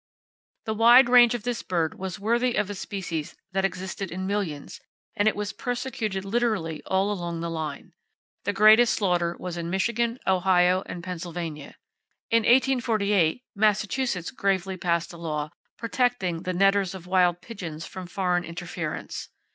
The wide range of this bird was worthy of a species that existed in millions, and it was persecuted literally all along the line. The greatest slaughter was in Michigan, Ohio and Pennsylvania. In 1848 Massachusetts gravely passed a law protecting the netters of wild pigeons from foreign interference!